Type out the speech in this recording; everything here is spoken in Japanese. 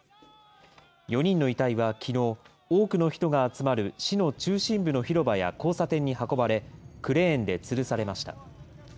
４人の遺体はきのう、多くの人が集まる市の中心部の広場や交差点に運ばれ、クレーンでつるされました。